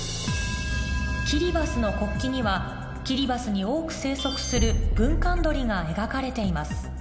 キリバスの国旗にはキリバスに多く生息するグンカンドリが描かれています